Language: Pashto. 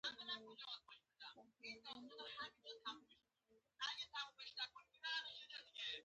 د آتش فشان لاوا بهر کوي.